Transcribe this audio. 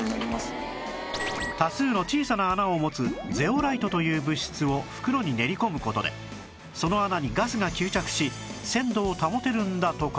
多数の小さな穴を持つゼオライトという物質を袋に練り込む事でその穴にガスが吸着し鮮度を保てるんだとか